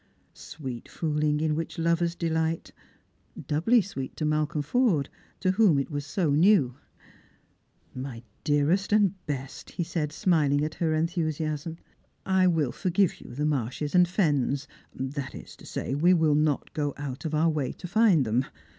Sweet fooling in which lovers delight ! Doubly sweet to Malcolm Forde, to whom it was so new. " My dearest and best," he said, smiling at her enthusiasm. strangers and Pilgrims. l^i "I will forgive you the marshes and fens; that is to say, we will not go out of our way to find them.